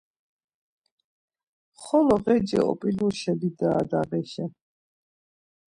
Xolo ğeci op̌iluşa bidare dağişa.